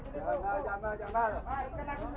sampai ketemu di video selanjutnya